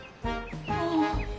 ああ。